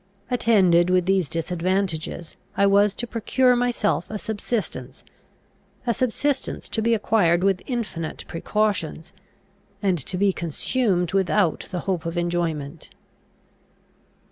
Attended with these disadvantages, I was to procure myself a subsistence, a subsistence to be acquired with infinite precautions, and to be consumed without the hope of enjoyment.